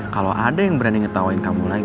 kalau ada yang berani ngetawain kamu lagi